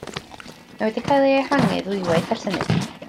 Mae wedi cael ei ehangu ddwywaith ers hynny.